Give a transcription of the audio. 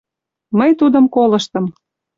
Мый тудым колыштым.